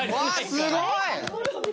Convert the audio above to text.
すごい。